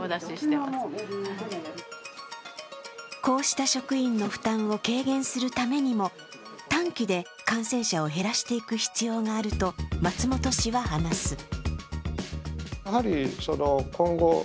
こうした職員の負担を軽減するためにも、短期で感染者を減らしていく必要があると松本氏は話す。